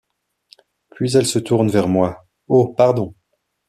Puis elle se retourne vers moi :— Oh, pardon.